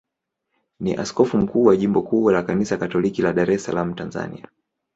ni askofu mkuu wa jimbo kuu la Kanisa Katoliki la Dar es Salaam, Tanzania.